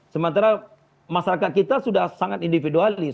sementara masyarakat kita sudah sangat individualis